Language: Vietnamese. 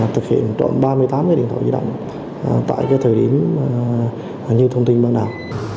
thực hiện trộn ba mươi tám điện thoại di động tại thời điểm như thông tin ban nào